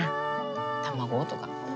卵とか。